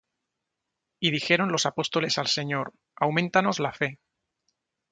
Y dijeron los apóstoles al Señor: Auméntanos la fe.